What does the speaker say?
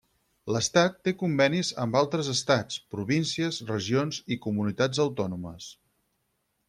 L'estat té convenis amb altres estats, províncies, regions i comunitats autònomes.